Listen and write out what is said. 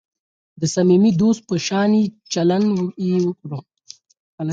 د صمیمي دوست په شان چلند یې وکړ.